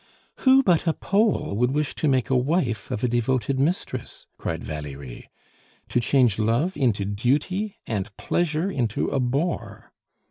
"Who but a Pole would wish to make a wife of a devoted mistress?" cried Valerie. "To change love into duty, and pleasure into a bore."